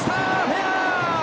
フェア。